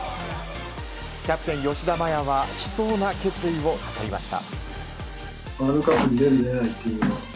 キャプテン吉田麻也は悲壮な決意を語りました。